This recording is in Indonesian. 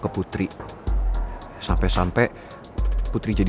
putri lagi sama pangeran